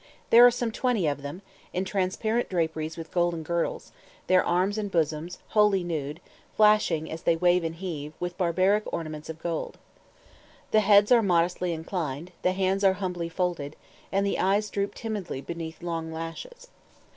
There are some twenty of them, in transparent draperies with golden girdles, their arms and bosoms, wholly nude, flashing, as they wave and heave, with barbaric ornaments of gold. The heads are modestly inclined, the hands are humbly folded, and the eyes droop timidly beneath long lashes.